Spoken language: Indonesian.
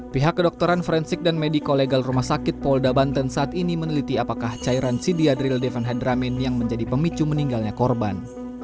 pihak kedokteran forensik dan mediko legal rumah sakit polda banten saat ini meneliti apakah cairan sidiadril devanhedramin yang menjadi pemicu meninggalnya korban